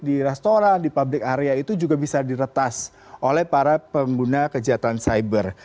di restoran di public area itu juga bisa diretas oleh para pengguna kejahatan cyber